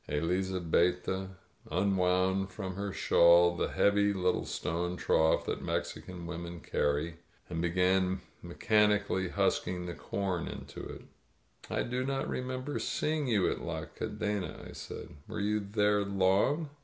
Elizabetta unwound from her shawl the heavy little stone trough that Mexican women carry, and began mechanically husking the com into it. "I do not remember seeing you at La Cadena," I said. "Were you there long?"